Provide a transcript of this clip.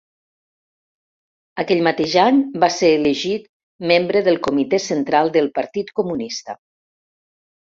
Aquell mateix any, va ser elegit membre del Comitè Central del Partit Comunista.